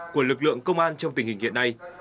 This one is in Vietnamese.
của lực lượng công an trong tình hình hiện nay